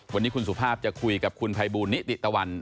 วันนี้คุณสุภาพจะคุยกับคุณภัยบูลนิติตะวัน